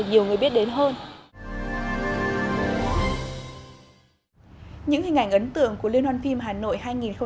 những hình ảnh ấn tượng của liên hoan phim hà nội hai nghìn một mươi sáu